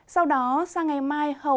sau đó sang ngày mai